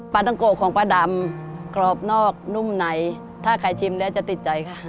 ต้องโกะของป้าดำกรอบนอกนุ่มไหนถ้าใครชิมแล้วจะติดใจค่ะ